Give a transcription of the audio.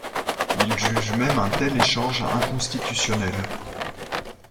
Il juge même un tel échange inconstitutionnel.